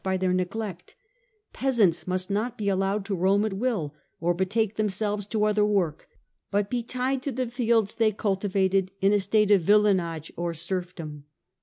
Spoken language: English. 2ii by their neglect ; peasants must not be allowed to roam at will, or betake themselves to other work, but be tied to the fields they cultivated in a state of villeinage or serf dom.